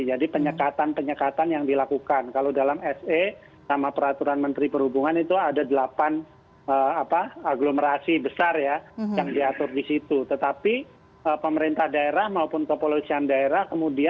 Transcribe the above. apa yang membedakan dengan mudik lokal yang diperbolehkan dalam satu wilayah agglomerasi